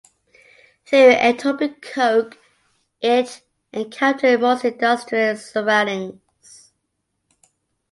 Through Etobicoke, it encountered mostly industrial surroundings.